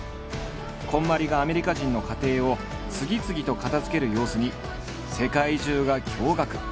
こんまりがアメリカ人の家庭を次々と片づける様子に世界中が驚愕。